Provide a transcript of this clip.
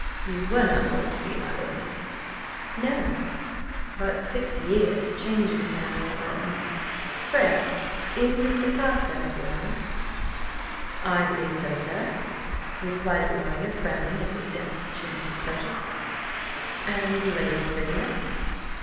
"You were not wont to be, my lord." "No? But six years changes a man, Warburton. Pray, is Mr. Carstares well?" "I believe so, sir," replied the lawyer, frowning at the deft change of subject. "And Lady Lavinia?"